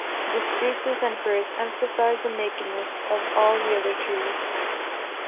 The spruces and firs emphasize the nakedness of all the other trees.